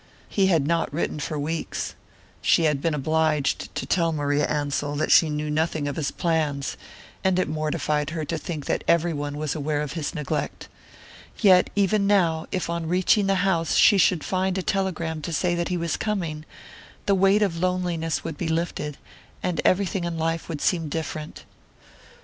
He had not written for weeks she had been obliged to tell Maria Ansell that she knew nothing of his plans, and it mortified her to think that every one was aware of his neglect. Yet, even now, if on reaching the house she should find a telegram to say that he was coming, the weight of loneliness would be lifted, and everything in life would seem different....